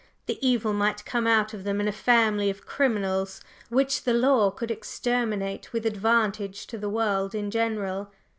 The evil might come out of them in a family of criminals which the law could exterminate with advantage to the world in general.